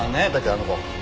あの子。